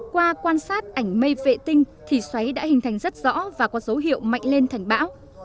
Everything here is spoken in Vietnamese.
qua quan sát ảnh mây vệ tinh thì xoáy đã hình thành rất rõ và có dấu hiệu mạnh lên thành bão